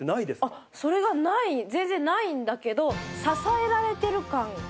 それがない全然ないんだけど支えられてる感。